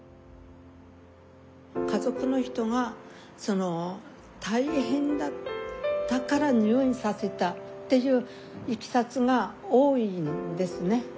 家族の人が大変だったから入院させたっていういきさつが多いんですね。